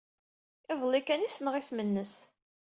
Iḍelli kan ay ssneɣ isem-nnes.